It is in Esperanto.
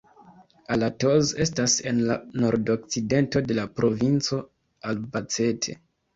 Alatoz estas en la nordokcidento de la provinco Albacete.